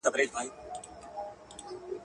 د هر پلار كيسه د زوى په وينو سره ده.